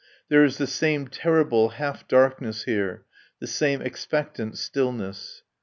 There is the same terrible half darkness here, the same expectant stillness.